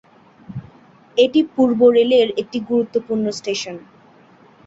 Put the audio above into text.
এটি পূর্ব রেল এর একটি গুরুত্বপূর্ণ স্টেশন।